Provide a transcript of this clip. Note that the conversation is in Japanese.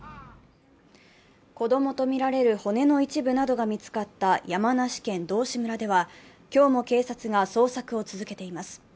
子供と見られる骨の一部が見つかった山梨県道志村では、今日も警察が捜索を続けています。